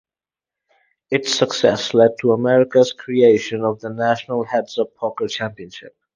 Its success led to America's creation of the National Heads-Up Poker Championship.